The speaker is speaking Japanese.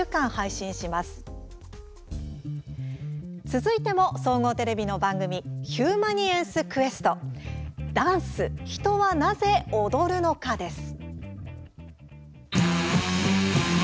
続いても、総合テレビの番組「ヒューマニエンスＱ“ダンス”ヒトはなぜ踊るのか」です。